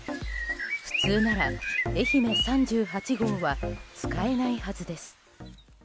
普通なら愛媛３８号は使えないはずです。